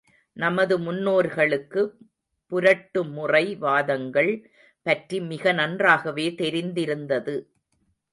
நமது முன்னோர்களுக்கு புரட்டுமுறை வாதங்கள் பற்றி மிக நன்றாகவே தெரிந்திருந்தது.